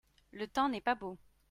le temps n'est pas beau.